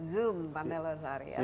zoom pantai losari